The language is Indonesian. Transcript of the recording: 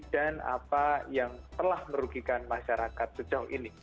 dan apa yang telah merugikan masyarakat sejauh ini